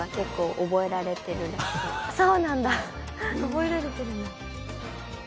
覚えられてるんだ。